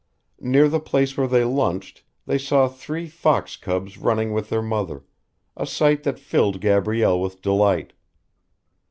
Near the place where they lunched they saw three fox cubs running with their mother, a sight that filled Gabrielle with delight.